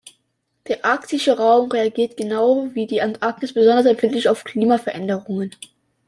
Der arktische Raum reagiert genau wie die Antarktis besonders empfindlich auf Klimaveränderungen.